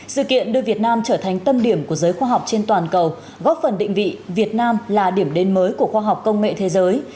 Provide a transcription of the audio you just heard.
sự kiện đưa việt nam trở thành tâm điểm của giới khoa học trên toàn cầu góp phần định vị việt nam là điểm đến mới của khoa học công nghệ thế giới